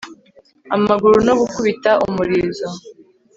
amaguru no gukubita umurizo